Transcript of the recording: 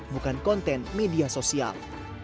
bukan konten media sosial